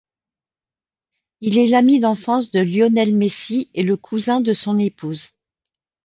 Il est l'ami d'enfance de Lionel Messi et le cousin de son épouse.